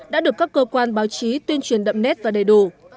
đã được các cơ quan báo chí tuyên truyền đậm nét và đầy đủ